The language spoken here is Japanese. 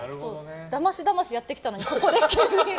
だましだましやってきたのにここで急に。